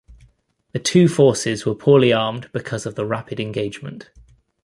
The two forces were poorly armed because of the rapid engagement.